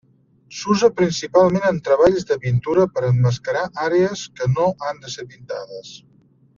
S'usa principalment en treballs de pintura per emmascarar àrees que no han de ser pintades.